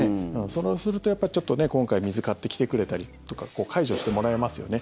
そうすると、今回水買ってきてくれたりとか介助してもらえますよね。